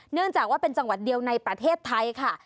เนื่องจากว่าเป็นจังหวัดเดียวในประเทศไทยค่ะ